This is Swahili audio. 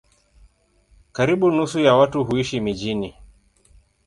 Karibu nusu ya watu huishi mijini.